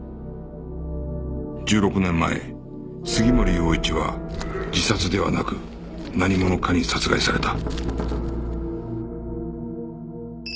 １６年前杉森陽一は自殺ではなく何者かに殺害された